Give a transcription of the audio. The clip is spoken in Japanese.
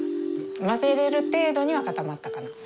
混ぜれる程度には固まったかな。